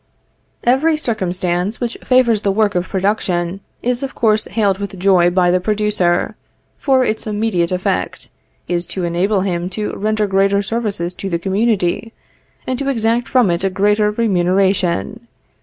Every circumstance which favors the work of production is of course hailed with joy by the producer, for its immediate effect is to enable him to render greater services to the community, and to exact from it a greater remuneration.